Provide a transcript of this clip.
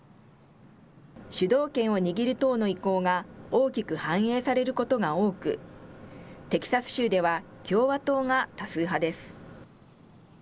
主導権を握る党の意向が大きく反映されることが多く、テキサス州では共和党が多数派です。